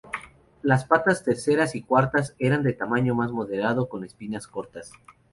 Las patas terceras y cuartas eran de tamaño más moderado, con espinas cortas.